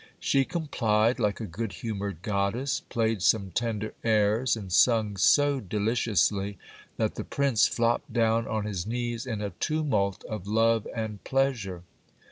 She complied like a good humoured goddess ; played some tender airs, and sung so deliciously, that the prince flopped down on his knees in a tumult of love and pleasure.